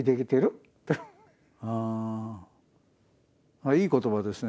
ああいい言葉ですね。